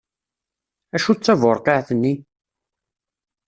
Acu d taburqiεt-nni?